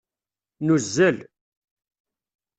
Nuzzel.